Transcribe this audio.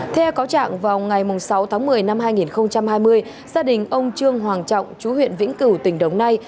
theo cáo trạng vào ngày sáu tháng một mươi năm hai nghìn hai mươi gia đình ông trương hoàng trọng chú huyện vĩnh cửu tỉnh đồng nai